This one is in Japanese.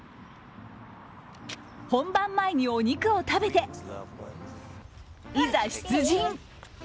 本番前にお肉を食べて、いざ出陣。